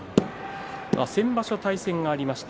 先場所は対戦ありました。